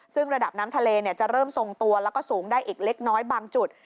ซึ่งระดับน้ำทะเลจะเริ่มทรงตัวแล้วก็สูงได้อีกเล็กน้อยบางจุด